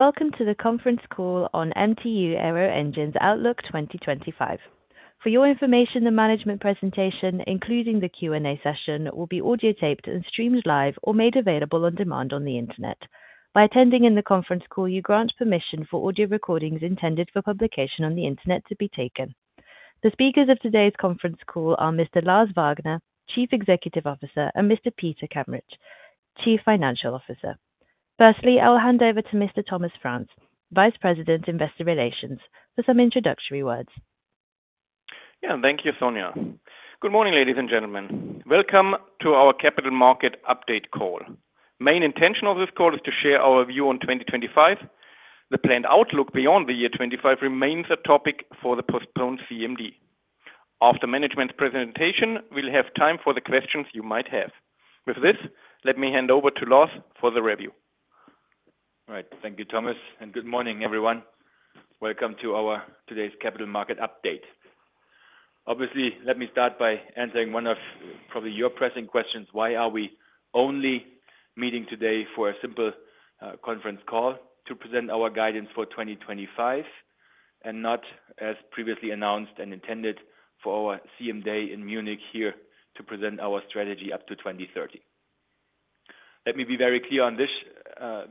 Welcome to the conference call on MTU Aero Engines Outlook 2025. For your information, the management presentation, including the Q&A session, will be audio-taped and streamed live or made available on demand on the internet. By attending in the conference call, you grant permission for audio recordings intended for publication on the internet to be taken. The speakers of today's conference call are Mr. Lars Wagner, Chief Executive Officer, and Mr. Peter Kameritsch, Chief Financial Officer. Firstly, I will hand over to Mr. Thomas Franz, Vice President, Investor Relations, for some introductory words. Yeah, thank you, Sonia. Good morning, ladies and gentlemen. Welcome to our Capital Market Update call. The main intention of this call is to share our view on 2025. The planned outlook beyond the year 2025 remains a topic for the postponed CMD. After management's presentation, we'll have time for the questions you might have. With this, let me hand over to Lars for the review. Right, thank you, Thomas, and good morning, everyone. Welcome to today's Capital Market Update. Obviously, let me start by answering one of probably your pressing questions: why are we only meeting today for a simple conference call to present our guidance for 2025 and not, as previously announced and intended, for our CMD in Munich to present our strategy up to 2030? Let me be very clear on this: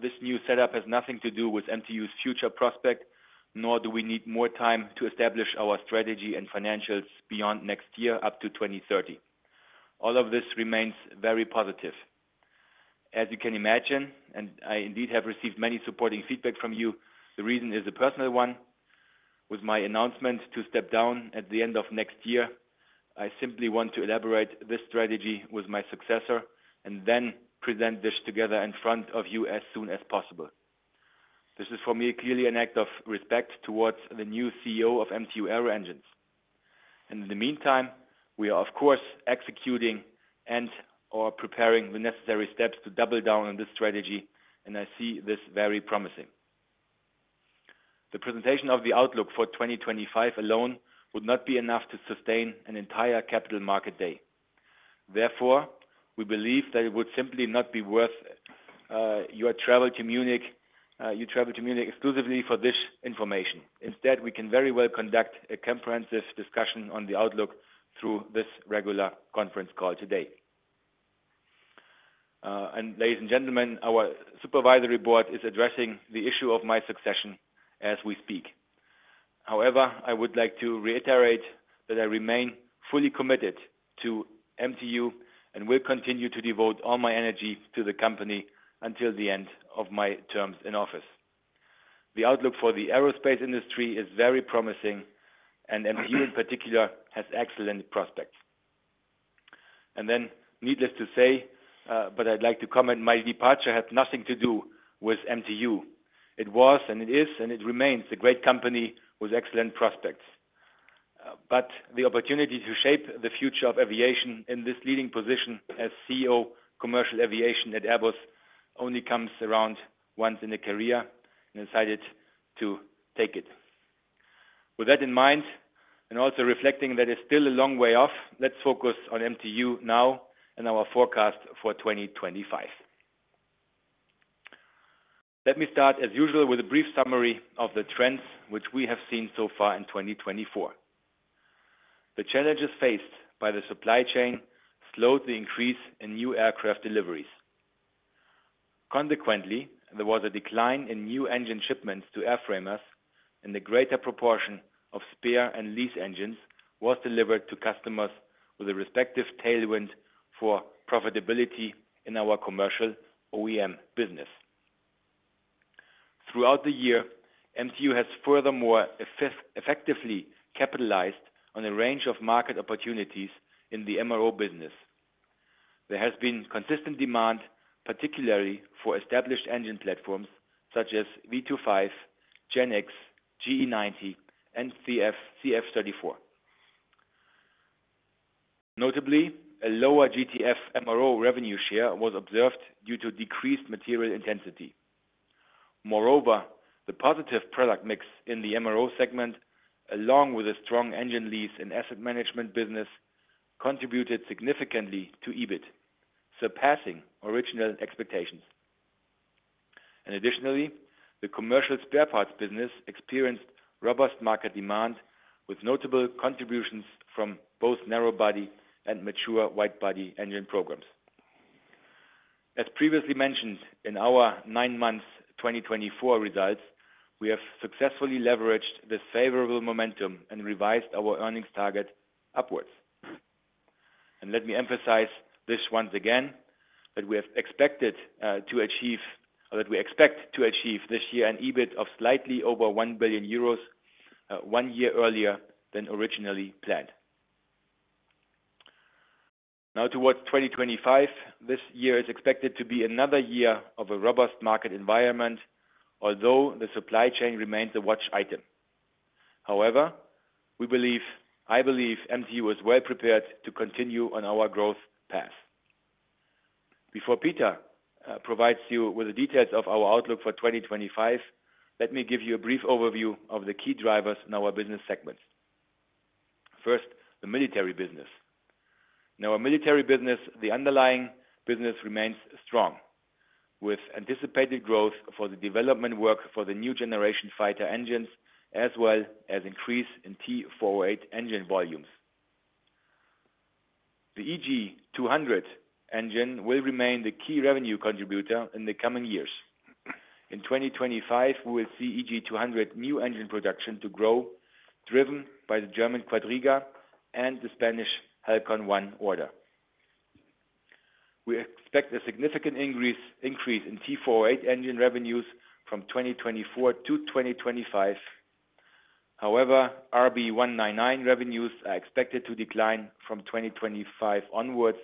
this new setup has nothing to do with MTU's future prospects, nor do we need more time to establish our strategy and financials beyond next year, up to 2030. All of this remains very positive. As you can imagine, and I indeed have received many supporting feedback from you, the reason is a personal one. With my announcement to step down at the end of next year, I simply want to elaborate this strategy with my successor and then present this together in front of you as soon as possible. This is, for me, clearly an act of respect towards the new CEO of MTU Aero Engines. And in the meantime, we are, of course, executing and/or preparing the necessary steps to double down on this strategy, and I see this very promising. The presentation of the outlook for 2025 alone would not be enough to sustain an entire Capital Market Day. Therefore, we believe that it would simply not be worth your travel to Munich exclusively for this information. Instead, we can very well conduct a comprehensive discussion on the outlook through this regular conference call today. And ladies and gentlemen, our supervisory board is addressing the issue of my succession as we speak. However, I would like to reiterate that I remain fully committed to MTU and will continue to devote all my energy to the company until the end of my terms in office. The outlook for the aerospace industry is very promising, and MTU in particular has excellent prospects. And then, needless to say, but I'd like to comment, my departure had nothing to do with MTU. It was, and it is, and it remains a great company with excellent prospects. But the opportunity to shape the future of aviation in this leading position as CEO Commercial Aviation at Airbus only comes around once in a career, and I decided to take it. With that in mind, and also reflecting that it's still a long way off, let's focus on MTU now and our forecast for 2025. Let me start, as usual, with a brief summary of the trends which we have seen so far in 2024. The challenges faced by the supply chain slowed the increase in new aircraft deliveries. Consequently, there was a decline in new engine shipments to airframers, and a greater proportion of spare and lease engines was delivered to customers with a respective tailwind for profitability in our commercial OEM business. Throughout the year, MTU has furthermore effectively capitalized on a range of market opportunities in the MRO business. There has been consistent demand, particularly for established engine platforms such as V25, GEnx, GE90, and CF34. Notably, a lower GTF MRO revenue share was observed due to decreased material intensity. Moreover, the positive product mix in the MRO segment, along with a strong engine lease and asset management business, contributed significantly to EBIT, surpassing original expectations. Additionally, the commercial spare parts business experienced robust market demand with notable contributions from both narrow body and mature wide body engine programs. As previously mentioned in our nine months 2024 results, we have successfully leveraged this favorable momentum and revised our earnings target upwards. Let me emphasize this once again, that we expect to achieve this year an EBIT of slightly over 1 billion euros one year earlier than originally planned. Now, towards 2025, this year is expected to be another year of a robust market environment, although the supply chain remains a watch item. However, I believe MTU is well prepared to continue on our growth path. Before Peter provides you with the details of our outlook for 2025, let me give you a brief overview of the key drivers in our business segments. First, the military business. In our military business, the underlying business remains strong, with anticipated growth for the development work for the New Generation Fighter Engine, as well as increase in T408 engine volumes. The EJ200 engine will remain the key revenue contributor in the coming years. In 2025, we will see EJ200 new engine production to grow, driven by the German Quadriga and the Spanish Halcon One order. We expect a significant increase in T408 engine revenues from 2024 to 2025. However, RB199 revenues are expected to decline from 2025 onwards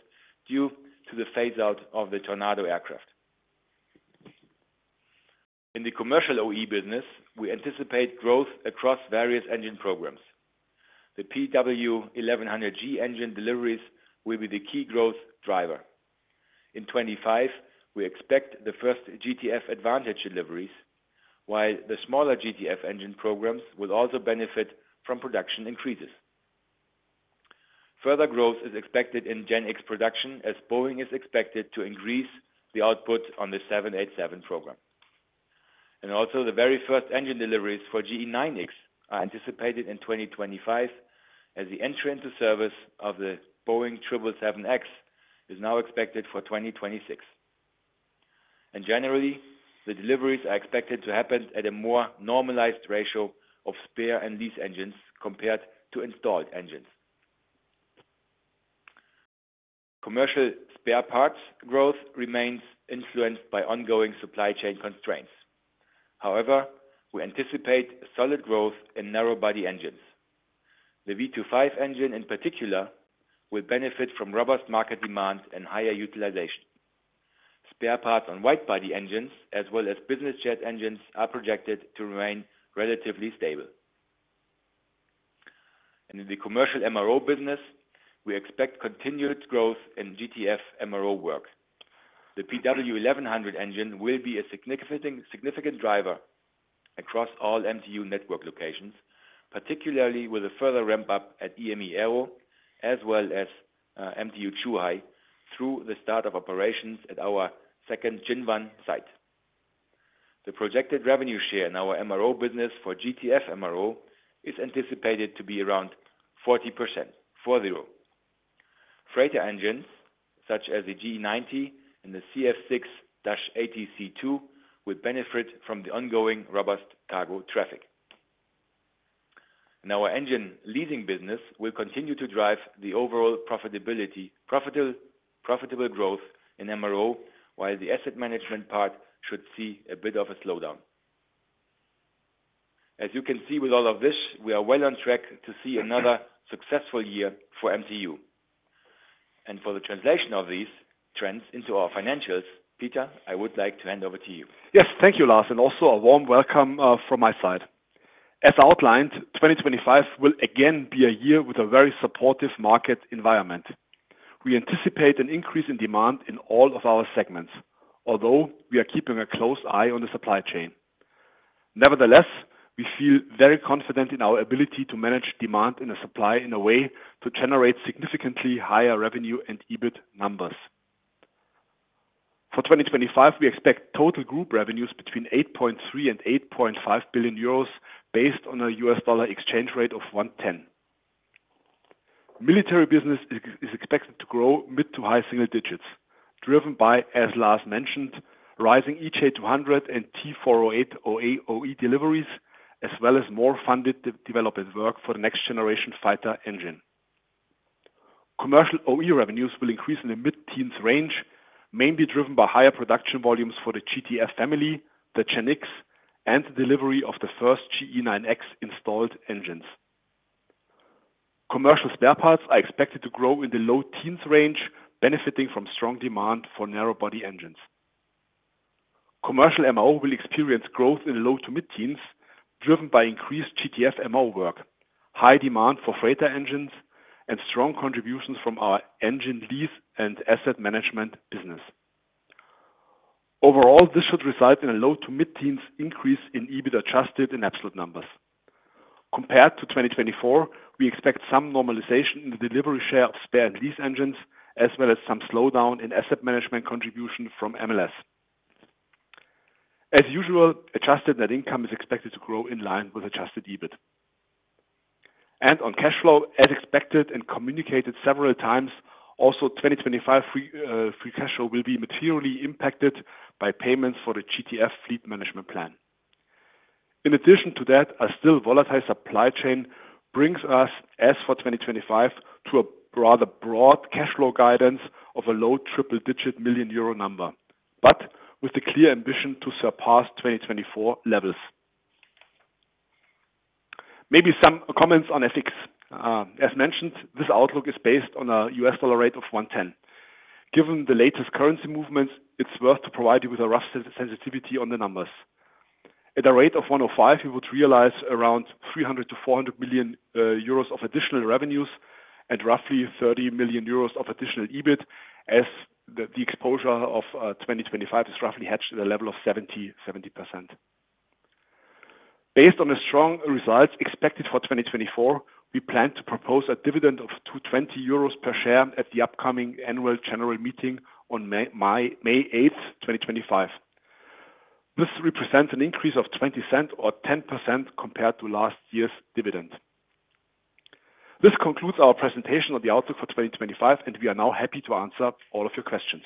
due to the phase-out of the Tornado aircraft. In the commercial OE business, we anticipate growth across various engine programs. The PW1100G engine deliveries will be the key growth driver. In 2025, we expect the first GTF Advantage deliveries, while the smaller GTF engine programs will also benefit from production increases. Further growth is expected in Genx production, as Boeing is expected to increase the output on the 787 program. And also, the very first engine deliveries for GE9X are anticipated in 2025, as the entry into service of the Boeing 777X is now expected for 2026. And generally, the deliveries are expected to happen at a more normalized ratio of spare and lease engines compared to installed engines. Commercial spare parts growth remains influenced by ongoing supply chain constraints. However, we anticipate solid growth in narrow body engines. The V25 engine, in particular, will benefit from robust market demand and higher utilization. Spare parts on wide body engines, as well as business jet engines, are projected to remain relatively stable. And in the commercial MRO business, we expect continued growth in GTF MRO work. The PW1100 engine will be a significant driver across all MTU network locations, particularly with a further ramp-up at EME Aero, as well as MTU Zhuhai through the start of operations at our second Jinwan site. The projected revenue share in our MRO business for GTF MRO is anticipated to be around 40%, four-zero. Freighter engines such as the GE90 and the CF6-80C2 will benefit from the ongoing robust cargo traffic. And our engine leasing business will continue to drive the overall profitable growth in MRO, while the asset management part should see a bit of a slowdown. As you can see with all of this, we are well on track to see another successful year for MTU. And for the translation of these trends into our financials, Peter, I would like to hand over to you. Yes, thank you, Lars, and also a warm welcome from my side. As outlined, 2025 will again be a year with a very supportive market environment. We anticipate an increase in demand in all of our segments, although we are keeping a close eye on the supply chain. Nevertheless, we feel very confident in our ability to manage demand and supply in a way to generate significantly higher revenue and EBIT numbers. For 2025, we expect total group revenues between 8.3 and 8.5 billion euros, based on a US dollar exchange rate of 110. Military business is expected to grow mid to high single digits, driven by, as Lars mentioned, rising EJ200 and T408 OE deliveries, as well as more funded development work for the next generation fighter engine. Commercial OE revenues will increase in the mid-teens range, mainly driven by higher production volumes for the GTF family, the GEnx, and delivery of the first GE9X installed engines. Commercial spare parts are expected to grow in the low teens range, benefiting from strong demand for narrow body engines. Commercial MRO will experience growth in the low to mid-teens, driven by increased GTF MRO work, high demand for freighter engines, and strong contributions from our engine lease and asset management business. Overall, this should result in a low to mid-teens increase in EBIT adjusted in absolute numbers. Compared to 2024, we expect some normalization in the delivery share of spare and lease engines, as well as some slowdown in asset management contribution from MLS. As usual, adjusted net income is expected to grow in line with adjusted EBIT. On cash flow, as expected and communicated several times, also 2025 free cash flow will be materially impacted by payments for the GTF fleet management plan. In addition to that, a still volatile supply chain brings us, as for 2025, to a rather broad cash flow guidance of a low triple-digit million euro number, but with the clear ambition to surpass 2024 levels. Maybe some comments on FX. As mentioned, this outlook is based on a US dollar rate of 110. Given the latest currency movements, it's worth to provide you with a rough sensitivity on the numbers. At a rate of 105, you would realize around 300-400 million euros of additional revenues and roughly 30 million euros of additional EBIT, as the exposure of 2025 is roughly hedged at a level of 70%. Based on the strong results expected for 2024, we plan to propose a dividend of 220 euros per share at the upcoming annual general meeting on May 8th, 2025. This represents an increase of 0.20 or 10% compared to last year's dividend. This concludes our presentation on the outlook for 2025, and we are now happy to answer all of your questions.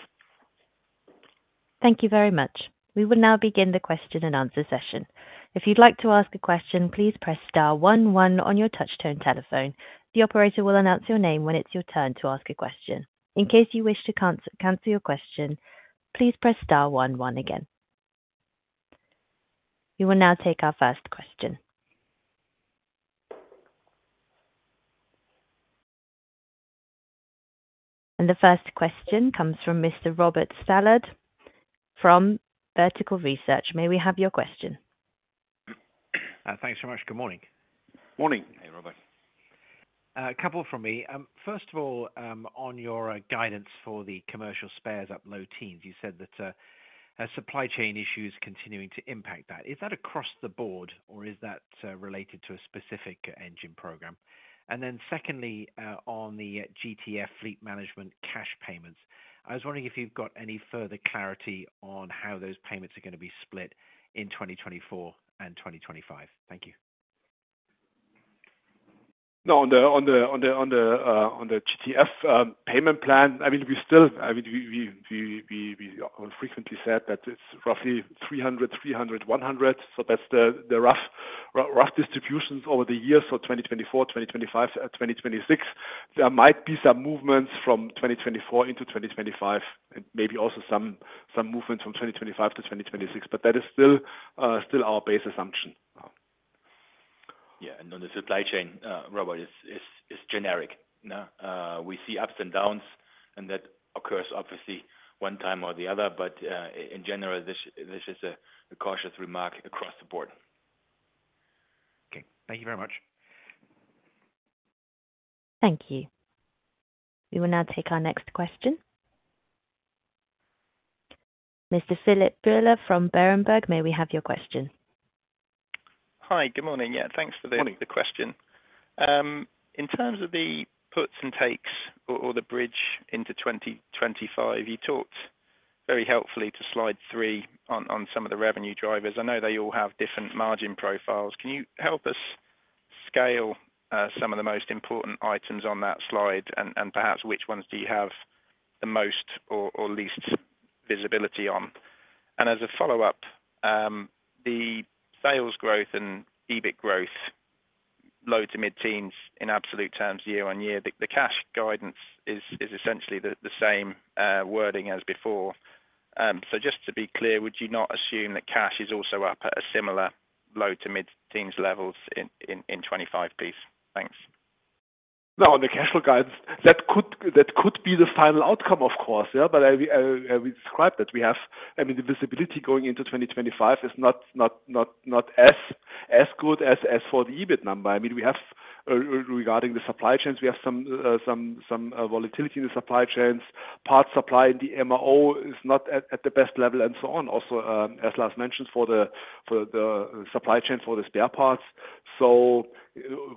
Thank you very much. We will now begin the question and answer session. If you'd like to ask a question, please press star one one on your touch-tone telephone. The operator will announce your name when it's your turn to ask a question. In case you wish to cancel your question, please press star one one again. We will now take our first question, and the first question comes from Mr. Robert Stallard from Vertical Research. May we have your question? Thanks so much. Good morning. Morning. Hey, Robert. A couple from me. First of all, on your guidance for the commercial spares up low teens, you said that supply chain issues continuing to impact that. Is that across the board, or is that related to a specific engine program? And then secondly, on the GTF fleet management cash payments, I was wondering if you've got any further clarity on how those payments are going to be split in 2024 and 2025. Thank you. No, on the GTF payment plan, I mean, we still, I mean, we frequently said that it's roughly 300, 300, 100. So that's the rough distributions over the years, so 2024, 2025, 2026. There might be some movements from 2024 into 2025, and maybe also some movements from 2025 to 2026, but that is still our base assumption. Yeah, and on the supply chain, Robert, it's generic. We see ups and downs, and that occurs obviously one time or the other, but in general, this is a cautious remark across the board. Okay. Thank you very much. Thank you. We will now take our next question. Mr. Philip Buller from Berenberg, may we have your question? Hi, good morning. Yeah, thanks for the question. In terms of the puts and takes or the bridge into 2025, you talked very helpfully to slide three on some of the revenue drivers. I know they all have different margin profiles. Can you help us scale some of the most important items on that slide, and perhaps which ones do you have the most or least visibility on? And as a follow-up, the sales growth and EBIT growth, low to mid-teens in absolute terms year-on-year, the cash guidance is essentially the same wording as before. So just to be clear, would you not assume that cash is also up at a similar low to mid-teens levels in 2025, please? Thanks. No, on the cash flow guidance, that could be the final outcome, of course, yeah, but we described that we have, I mean, the visibility going into 2025 is not as good as for the EBIT number. I mean, we have, regarding the supply chains, we have some volatility in the supply chains. Parts supply in the MRO is not at the best level, and so on, also as Lars mentioned, for the supply chain for the spare parts. So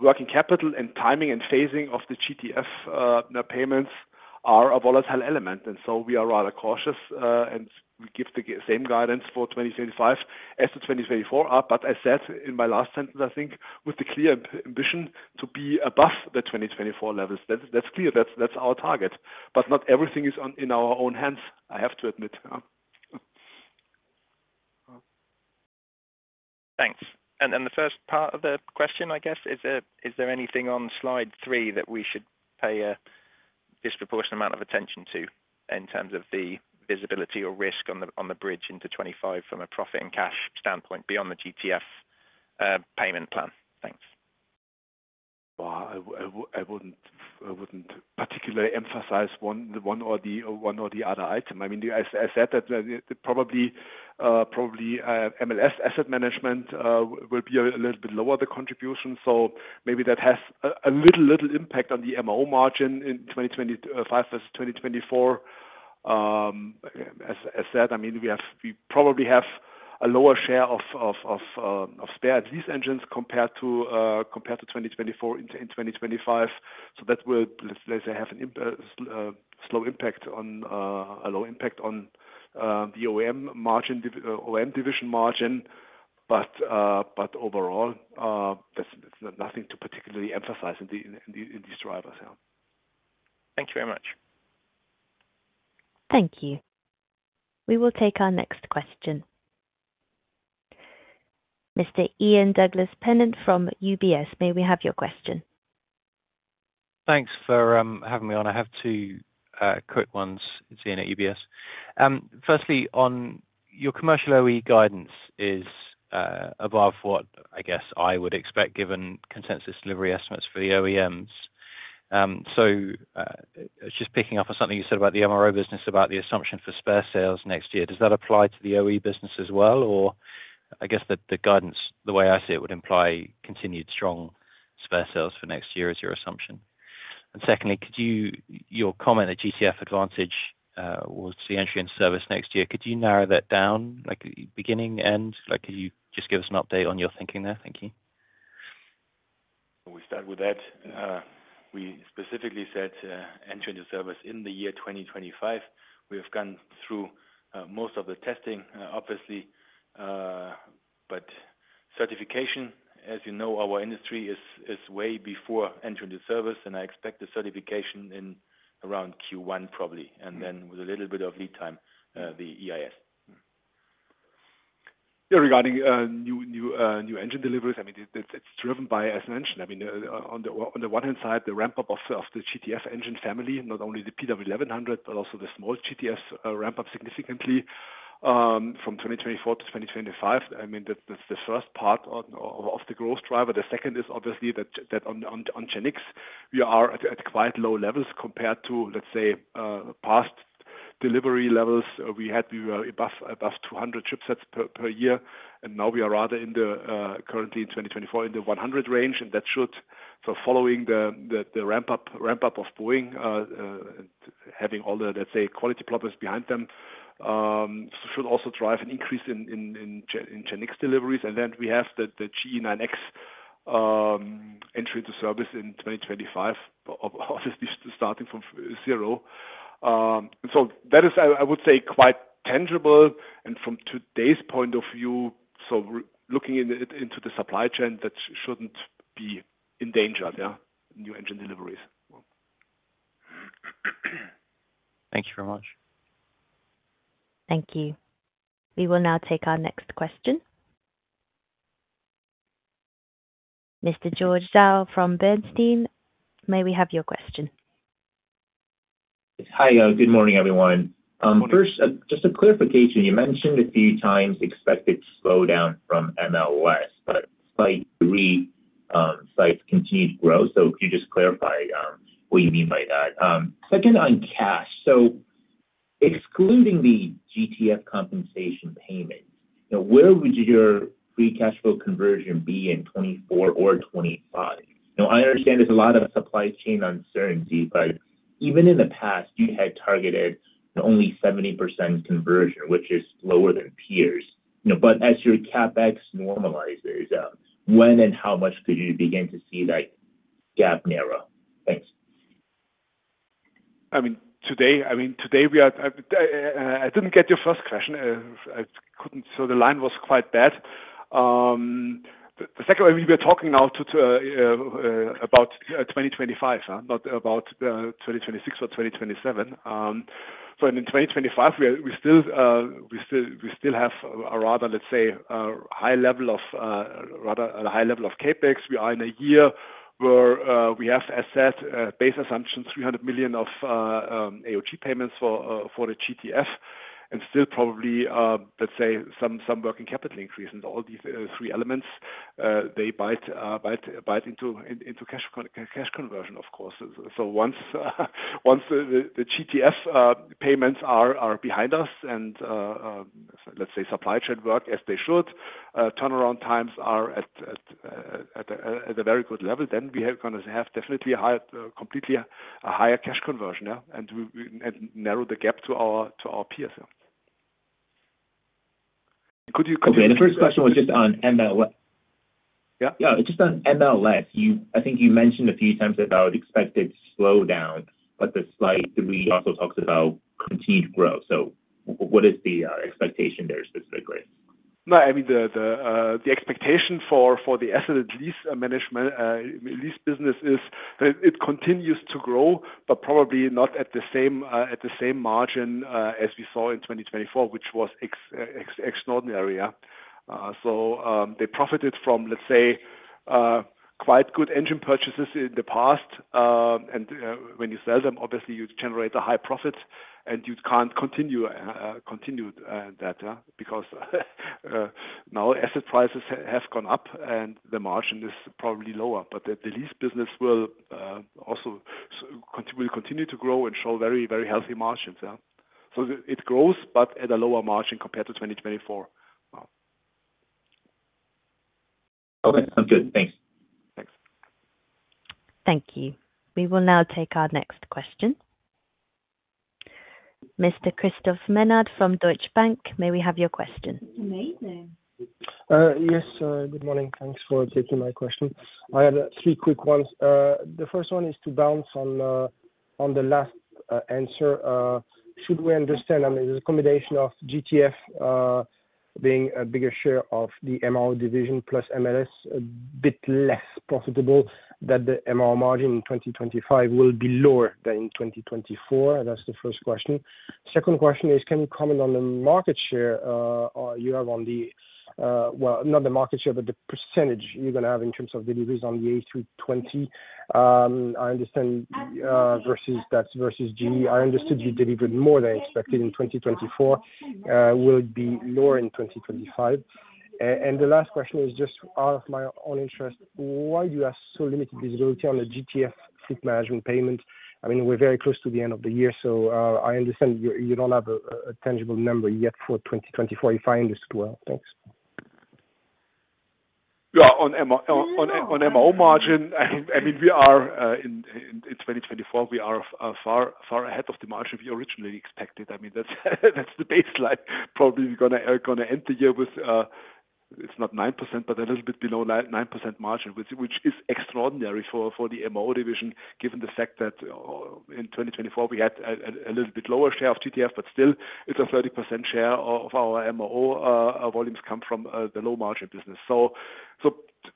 working capital and timing and phasing of the GTF payments are a volatile element, and so we are rather cautious, and we give the same guidance for 2025 as to 2024 are. But I said in my last sentence, I think, with the clear ambition to be above the 2024 levels. That's clear. That's our target. But not everything is in our own hands, I have to admit. Thanks. And then the first part of the question, I guess, is there anything on slide three that we should pay a disproportionate amount of attention to in terms of the visibility or risk on the bridge into 2025 from a profit and cash standpoint beyond the GTF payment plan? Thanks. I wouldn't particularly emphasize one or the other item. I mean, as I said, that probably MLS asset management will be a little bit lower the contribution, so maybe that has a little impact on the MRO margin in 2025 versus 2024. As I said, I mean, we probably have a lower share of spare and lease engines compared to 2024 in 2025. So that will, let's say, have a low impact on the OEM division margin, but overall, there's nothing to particularly emphasize in these drivers, yeah. Thank you very much. Thank you. We will take our next question. Mr. Ian Douglas-Pennant from UBS, may we have your question? Thanks for having me on. I have two quick ones here at UBS. Firstly, on your commercial OE guidance is above what, I guess, I would expect given consensus delivery estimates for the OEMs. So just picking up on something you said about the MRO business, about the assumption for spare sales next year, does that apply to the OE business as well? Or I guess the guidance, the way I see it, would imply continued strong spare sales for next year is your assumption. And secondly, could you your comment, the GTF Advantage was the entry into service next year, could you narrow that down, beginning, end? Could you just give us an update on your thinking there? Thank you. We start with that. We specifically said entry into service in the year 2025. We have gone through most of the testing, obviously, but certification, as you know, our industry is way before entry into service, and I expect the certification in around Q1 probably, and then with a little bit of lead time, the EIS. Yeah, regarding new engine deliveries, I mean, it's driven by, as I mentioned, I mean, on the one hand side, the ramp-up of the GTF engine family, not only the PW1100, but also the small GTFs ramp-up significantly from 2024 to 2025. I mean, that's the first part of the growth driver. The second is obviously that on GEnx, we are at quite low levels compared to, let's say, past delivery levels we had. We were above 200 shipsets per year, and now we are rather currently in 2024 in the 100 range, and that should, so following the ramp-up of Boeing and having all the, let's say, quality problems behind them, should also drive an increase in GEnx deliveries, and then we have the GE9X entry into service in 2025, obviously starting from zero, so that is, I would say, quite tangible. From today's point of view, so looking into the supply chain, that shouldn't be endangered, yeah, new engine deliveries. Thank you very much. Thank you. We will now take our next question. Mr. George Zhao from Bernstein, may we have your question? Hi, good morning, everyone. First, just a clarification. You mentioned a few times expected slowdown from MLS, but the three sites continue to grow. So could you just clarify what you mean by that? Second on cash, so excluding the GTF compensation payment, where would your free cash flow conversion be in 2024 or 2025? I understand there's a lot of supply chain uncertainty, but even in the past, you had targeted only 70% conversion, which is lower than peers. But as your CapEx normalizes, when and how much could you begin to see that gap narrow? Thanks. I didn't get your first question. I couldn't, so the line was quite bad. The second, I mean, we are talking now about 2025, not about 2026 or 2027. So in 2025, we still have a rather high level of CapEx. We are in a year where we have, as I said, base assumption, 300 million of AOG payments for the GTF, and still probably, let's say, some working capital increase. And all these three elements, they bite into cash conversion, of course. So once the GTF payments are behind us and, let's say, supply chain work as they should, turnaround times are at a very good level, then we are going to have definitely a completely higher cash conversion, yeah, and narrow the gap to our peers. Could you? The first question was just on MLS. Yeah. Yeah, just on MLS, I think you mentioned a few times that I would expect it to slow down, but the slide three also talks about continued growth. So what is the expectation there specifically? No, I mean, the expectation for the asset and lease management, lease business is that it continues to grow, but probably not at the same margin as we saw in 2024, which was extraordinary, yeah. So they profited from, let's say, quite good engine purchases in the past, and when you sell them, obviously, you generate a high profit, and you can't continue that because now asset prices have gone up, and the margin is probably lower. But the lease business will also continue to grow and show very, very healthy margins, yeah. So it grows, but at a lower margin compared to 2024. Okay, sounds good. Thanks. Thanks. Thank you. We will now take our next question. Mr. Christophe Menard from Deutsche Bank, may we have your question? Amazing. Yes, good morning. Thanks for taking my question. I have three quick ones. The first one is to bounce on the last answer. Should we understand, I mean, the combination of GTF being a bigger share of the MRO division plus MLS, a bit less profitable, that the MRO margin in 2025 will be lower than in 2024? That's the first question. Second question is, can you comment on the market share you have on the, well, not the market share, but the percentage you're going to have in terms of deliveries on the A320? I understand versus GE. I understood you delivered more than expected in 2024. Will it be lower in 2025? And the last question is just out of my own interest, why do you have so limited visibility on the GTF fleet management payment? I mean, we're very close to the end of the year, so I understand you don't have a tangible number yet for 2024, if I understood well. Thanks. Yeah, on MRO margin, I mean, we are in 2024, we are far ahead of the margin we originally expected. I mean, that's the baseline. Probably we're going to end the year with, it's not 9%, but a little bit below 9% margin, which is extraordinary for the MRO division, given the fact that in 2024, we had a little bit lower share of GTF, but still, it's a 30% share of our MRO volumes come from the low margin business. So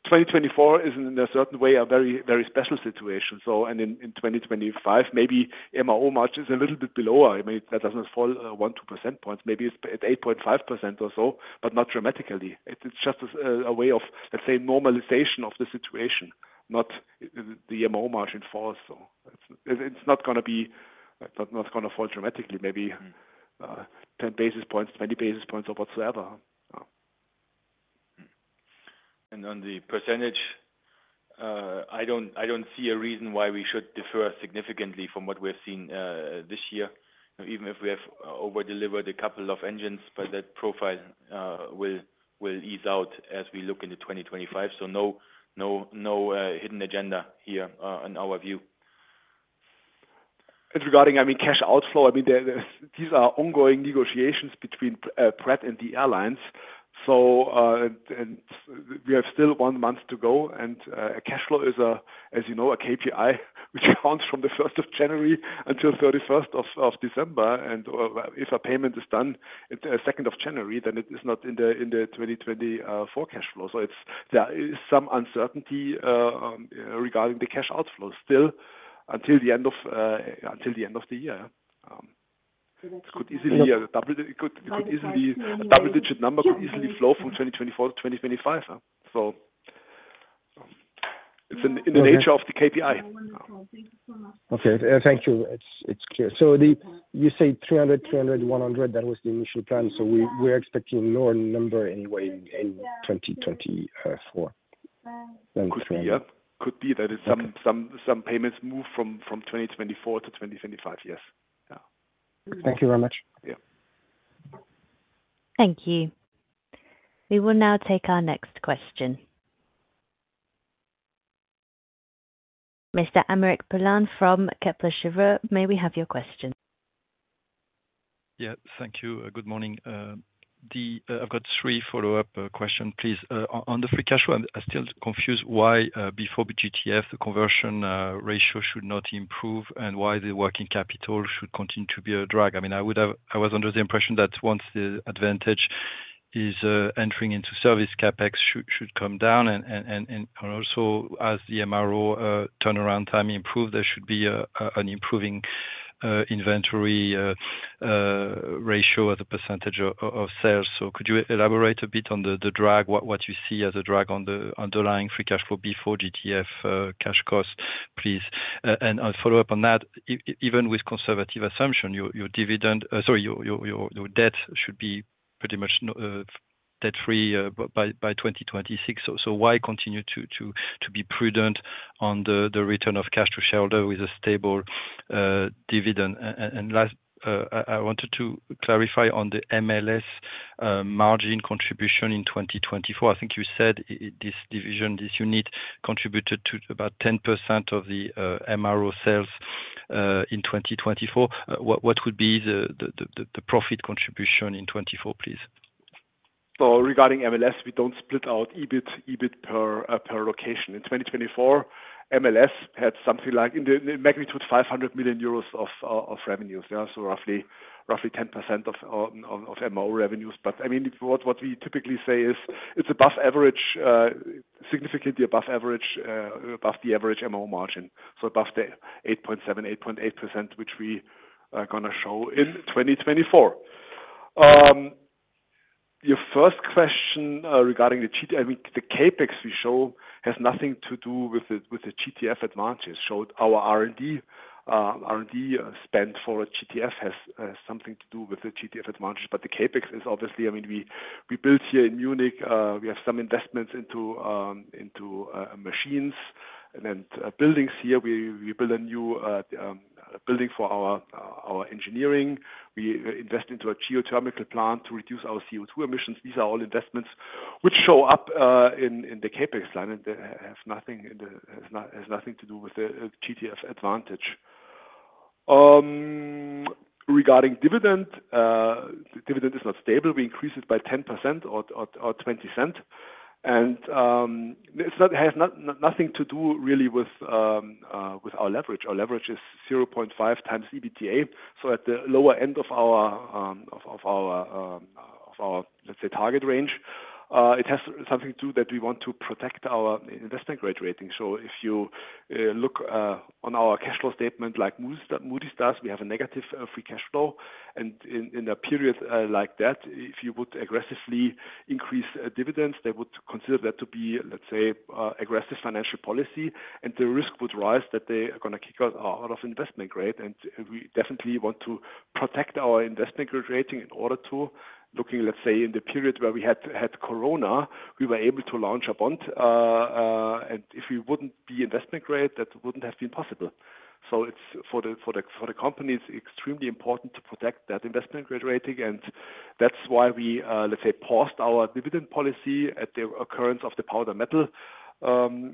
2024 is, in a certain way, a very, very special situation. So, and in 2025, maybe MRO margin is a little bit below. I mean, that doesn't fall 1-2 percentage points. Maybe it's at 8.5% or so, but not dramatically. It's just a way of, let's say, normalization of the situation, not the MRO margin falls. So it's not going to fall dramatically, maybe 10 basis points, 20 basis points, or whatsoever. On the percentage, I don't see a reason why we should defer significantly from what we've seen this year, even if we have overdelivered a couple of engines, but that profile will ease out as we look into 2025. No hidden agenda here in our view. It's regarding, I mean, cash outflow. I mean, these are ongoing negotiations between Pratt and the airlines. So we have still one month to go, and cash flow is, as you know, a KPI, which counts from the 1st of January until 31st of December. And if a payment is done the 2nd of January, then it is not in the 2024 cash flow. So there is some uncertainty regarding the cash outflow still until the end of the year. It could easily be a double-digit number that could easily flow from 2024 to 2025. So it's in the nature of the KPI. Thank you so much. Okay, thank you. It's clear. So you say 300, 300, 100, that was the initial plan. So we're expecting lower number anyway in 2024. Could be, yeah. Could be that some payments move from 2024 to 2025, yes. Yeah. Thank you very much. Thank you. We will now take our next question. Mr. Aymeric Poulain from Kepler Cheuvreux, may we have your question? Yeah, thank you. Good morning. I've got three follow-up questions, please. On the free cash flow, I'm still confused why before GTF, the conversion ratio should not improve and why the working capital should continue to be a drag. I mean, I was under the impression that once the advantage is entering into service, CapEx should come down. And also, as the MRO turnaround time improves, there should be an improving inventory ratio as a percentage of sales. So could you elaborate a bit on the drag, what you see as a drag on the underlying free cash flow before GTF cash cost, please? And I'll follow up on that. Even with conservative assumption, your dividend, sorry, your debt should be pretty much debt-free by 2026. So why continue to be prudent on the return of cash to shareholder with a stable dividend? And last, I wanted to clarify on the MLS margin contribution in 2024. I think you said this division, this unit contributed to about 10% of the MRO sales in 2024. What would be the profit contribution in 2024, please? Regarding MLS, we don't split out EBIT per location. In 2024, MLS had something like in the magnitude 500 million euros of revenues, yeah, so roughly 10% of MRO revenues. But I mean, what we typically say is it's above average, significantly above average, above the average MRO margin, so above the 8.7-8.8%, which we are going to show in 2024. Your first question regarding the, I mean, the CapEx we show has nothing to do with the GTF advantage. Our R&D spend for GTF has something to do with the GTF advantage, but the CapEx is obviously, I mean, we built here in Munich. We have some investments into machines and buildings here. We built a new building for our engineering. We invested into a geothermal plant to reduce our CO2 emissions. These are all investments which show up in the CapEx line and have nothing to do with the GTF advantage. Regarding dividend, dividend is not stable. We increase it by 10% or 0.20. It has nothing to do really with our leverage. Our leverage is 0.5 times EBITDA, so at the lower end of our target range, it has something to do that we want to protect our investment grade rating, so if you look on our cash flow statement like Moody's does, we have a negative free cash flow, and in a period like that, if you would aggressively increase dividends, they would consider that to be, let's say, aggressive financial policy, and the risk would rise that they are going to kick us out of investment grade. We definitely want to protect our investment grade rating in order to, looking, let's say, in the period where we had corona, we were able to launch a bond. And if we wouldn't be investment grade, that wouldn't have been possible. So for the company, it's extremely important to protect that investment grade rating. And that's why we, let's say, paused our dividend policy at the occurrence of the powder metal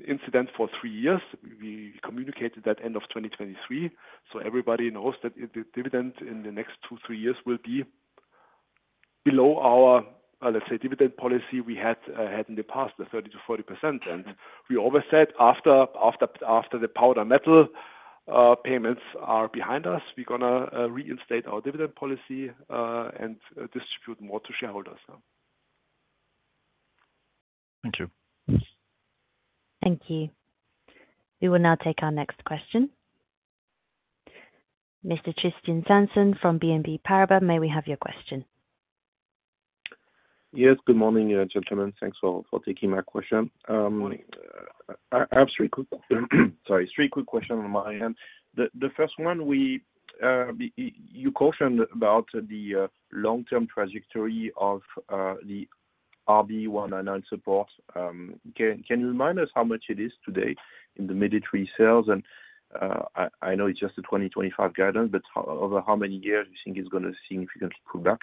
incident for three years. We communicated that end of 2023. So everybody knows that the dividend in the next two, three years will be below our, let's say, dividend policy we had in the past, the 30%-40%. And we always said after the powder metal payments are behind us, we're going to reinstate our dividend policy and distribute more to shareholders. Thank you. Thank you. We will now take our next question. Mr. Tristan Sanson from BNP Paribas, may we have your question? Yes, good morning, gentlemen. Thanks for taking my question. Good morning. I have three quick, sorry, three quick questions on my end. The first one, you cautioned about the long-term trajectory of the RB199 support. Can you remind us how much it is today in the military sales? And I know it's just the 2025 guidance, but over how many years do you think it's going to significantly pull back?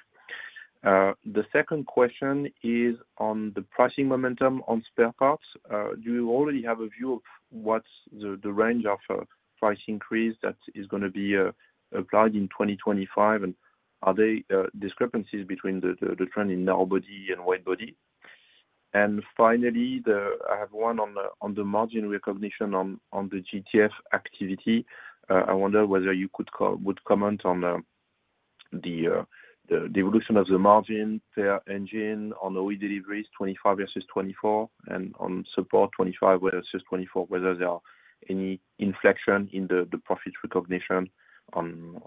The second question is on the pricing momentum on spare parts. Do you already have a view of what's the range of price increase that is going to be applied in 2025? And are there discrepancies between the trend in narrow body and wide body? And finally, I have one on the margin recognition on the GTF activity. I wonder whether you would comment on the evolution of the margin per engine on OE deliveries, 25 versus 24, and on support, 25 versus 24, whether there are any inflection in the profit recognition on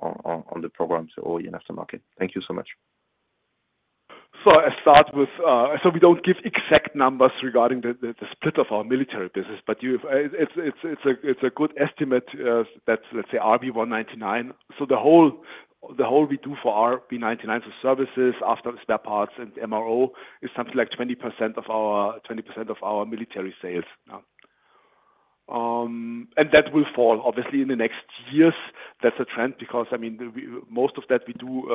the programs, OE and aftermarket. Thank you so much. So, I start with, so we don't give exact numbers regarding the split of our military business, but it's a good estimate that, let's say, RB199. So the whole we do for RB199 services after spare parts and MRO is something like 20% of our military sales. And that will fall, obviously, in the next years. That's a trend because, I mean, most of that we do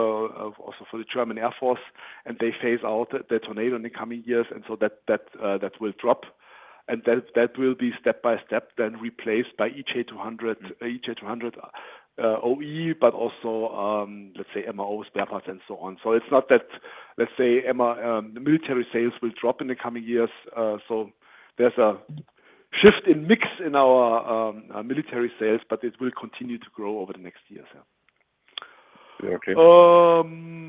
also for the German Air Force, and they phase out the Tornado in the coming years, and so that will drop. That will be step by step then replaced by each EJ200 OE, but also, let's say, MRO spare parts and so on. So it's not that, let's say, military sales will drop in the coming years. So there's a shift in mix in our military sales, but it will continue to grow over the next years, yeah. Yeah, okay.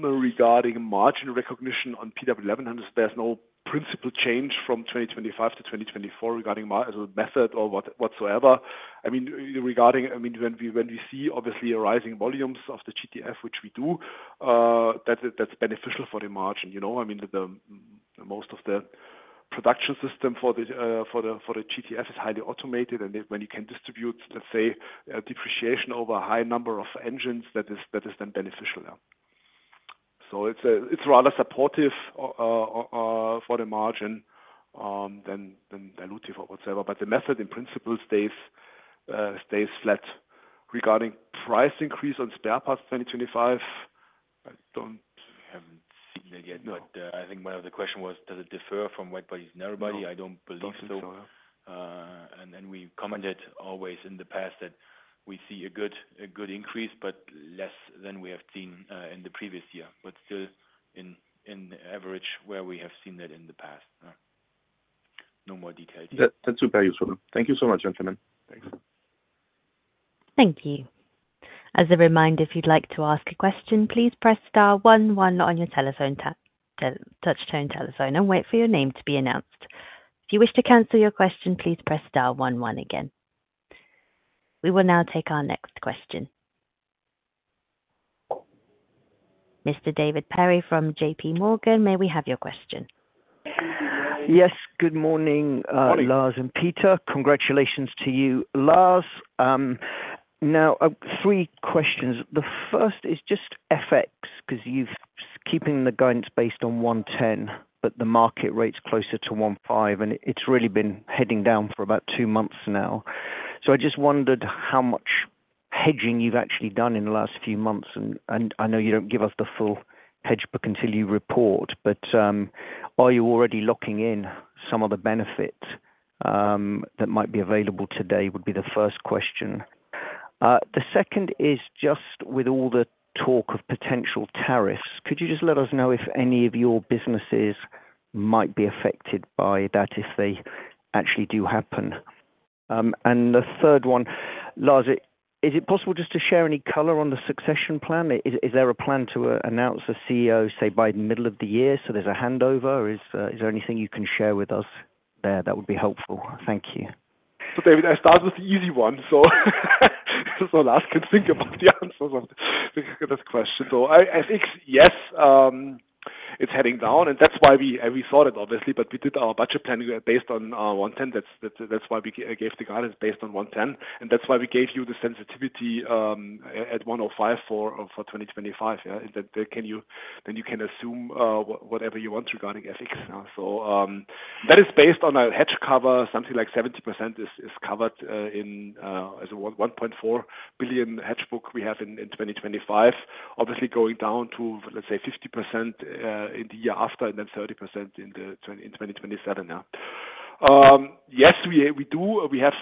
Regarding margin recognition on PW1100s, there's no principle change from 2025 to 2024 regarding method or whatsoever. I mean, regarding, I mean, when we see obviously rising volumes of the GTF, which we do, that's beneficial for the margin. I mean, most of the production system for the GTF is highly automated, and when you can distribute, let's say, depreciation over a high number of engines, that is then beneficial, yeah. So it's rather supportive for the margin than dilutive or whatsoever, but the method in principle stays flat. Regarding price increase on spare parts 2025, I don't have seen it yet, but I think one of the questions was, does it differ from wide bodies and narrow body? I don't believe so. I don't believe so, yeah. We commented always in the past that we see a good increase, but less than we have seen in the previous year, but still in average where we have seen that in the past. No more details. That's super useful. Thank you so much, gentlemen. Thanks. Thank you. As a reminder, if you'd like to ask a question, please press star one one on your touchtone telephone and wait for your name to be announced. If you wish to cancel your question, please press star one again. We will now take our next question. Mr. David Perry from JP Morgan, may we have your question? Yes, good morning, Lars and Peter. Congratulations to you, Lars. Now, three questions. The first is just FX because you're keeping the guidance based on 110, but the market rate's closer to 15, and it's really been heading down for about two months now. So I just wondered how much hedging you've actually done in the last few months. And I know you don't give us the full hedge book until you report, but are you already locking in some of the benefits that might be available today? Would be the first question. The second is just with all the talk of potential tariffs, could you just let us know if any of your businesses might be affected by that if they actually do happen? And the third one, Lars, is it possible just to share any color on the succession plan? Is there a plan to announce a CEO, say, by the middle of the year so there's a handover? Is there anything you can share with us there that would be helpful? Thank you. So David, I start with the easy one, so Lars can think about the answers to this question. So FX, yes, it's heading down, and that's why we thought it, obviously, but we did our budget planning based on 110. That's why we gave the guidance based on 110, and that's why we gave you the sensitivity at 105 for 2025, yeah. Then you can assume whatever you want regarding FX. So that is based on a hedge cover, something like 70% is covered in a 1.4 billion hedge book we have in 2025, obviously going down to, let's say, 50% in the year after and then 30% in 2027, yeah. Yes, we do. We have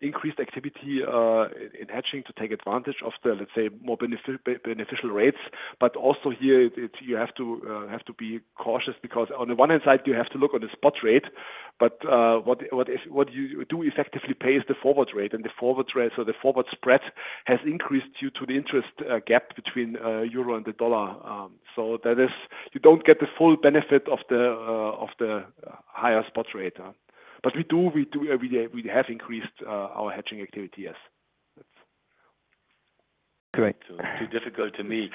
increased activity in hedging to take advantage of the, let's say, more beneficial rates, but also here, you have to be cautious because on the one hand side, you have to look on the spot rate, but what you do effectively pays the forward rate, and the forward spread has increased due to the interest gap between euro and the dollar. So you don't get the full benefit of the higher spot rate, but we do have increased our hedging activity, yes. Correct. It's too difficult for me.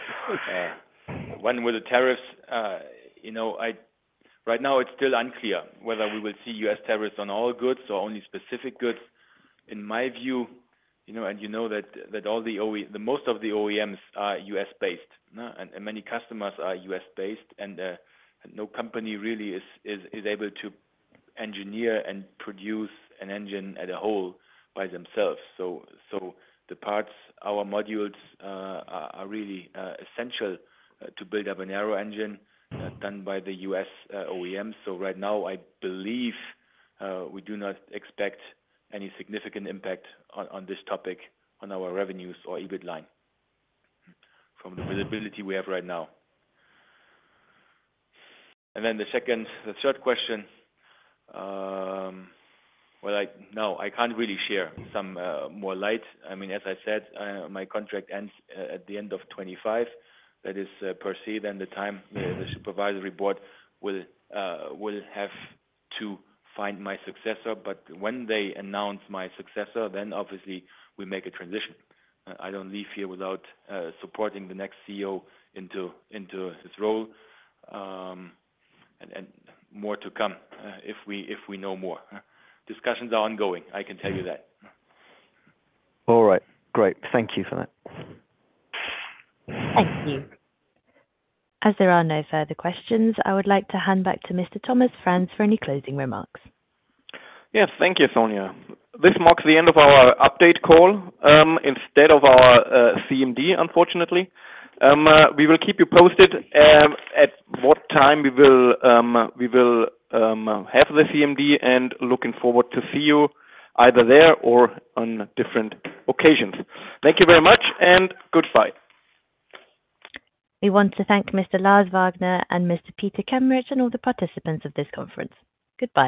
On the tariffs, right now, it's still unclear whether we will see U.S. tariffs on all goods or only specific goods. In my view, and you know that most of the OEMs are U.S.-based, and many customers are U.S.-based, and no company really is able to engineer and produce an engine as a whole by themselves. So the parts, our modules are really essential to build up a narrow engine done by the U.S. OEMs. So right now, I believe we do not expect any significant impact on this topic on our revenues or EBIT line from the visibility we have right now. And then the third question, well, no, I can't really shed some more light. I mean, as I said, my contract ends at the end of 2025. That is per se, then the time, the supervisory board will have to find my successor, but when they announce my successor, then obviously we make a transition. I don't leave here without supporting the next CEO into his role, and more to come if we know more. Discussions are ongoing. I can tell you that. All right. Great. Thank you for that. Thank you. As there are no further questions, I would like to hand back to Mr. Thomas Franz for any closing remarks. Yes, thank you, Sonia. This marks the end of our update call instead of our CMD, unfortunately. We will keep you posted at what time we will have the CMD, and looking forward to see you either there or on different occasions. Thank you very much and goodbye. We want to thank Mr. Lars Wagner and Mr. Peter Kameritsch and all the participants of this conference. Goodbye.